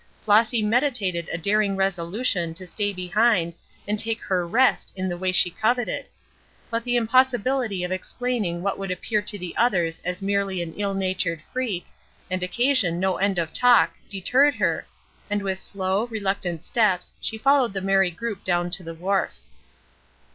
Flossy meditated a daring resolution to stay behind and take her "rest" in the way she coveted; but the impossibility of explaining what would appear to the others as merely an ill natured freak, and occasion no end of talk, deterred her, and with slow, reluctant steps she followed the merry group down to the wharf.